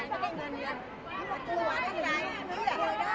ต้องใจร่วม